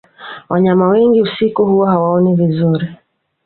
wanyama wengi usiku huwa hawaoni vizuri